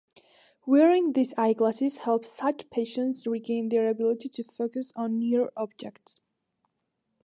Wearing these eyeglasses helps such patients regain their ability to focus on near objects.